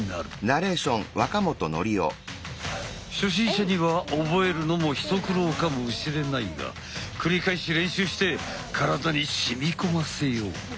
初心者には覚えるのも一苦労かもしれないが繰り返し練習して体にしみ込ませよう！